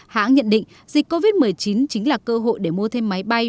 hãng nhận định dịch covid một mươi chín chính là cơ hội để mua thêm máy bay